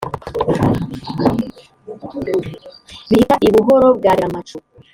Bihita i Buhoro bwa Reramacu